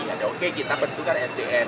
ya udah oke kita bentuk rscm